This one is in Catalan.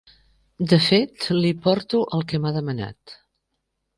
De fet li porto el que m'ha demanat.